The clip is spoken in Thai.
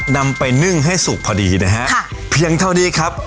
นำไปนึ่งให้สุกพอดีนะฮะค่ะเพียงเท่านี้ครับ